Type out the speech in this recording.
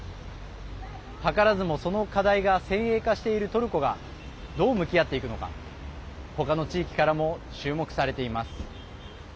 図らずもその課題が先鋭化してるトルコがどう向き合っていくのか他の地域からも注目されています。